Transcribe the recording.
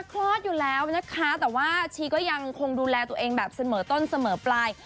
คลอดอยู่แล้วนะคะแต่ว่าชีก็ยังคงดูแลตัวเองแบบเสมอต้นเสมอปลาย